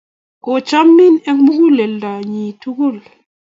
Kochomei eng muguleldonyi tugul